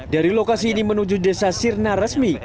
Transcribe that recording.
dari lokasi ini menuju desa sirnaresmi